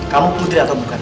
kamu putri atau bukan